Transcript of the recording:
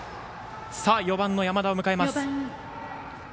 ４番の山田を迎えます。